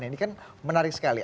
ini kan menarik sekali